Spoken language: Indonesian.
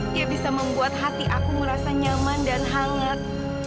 dia bisa membuat hati aku merasa nyaman dan hangat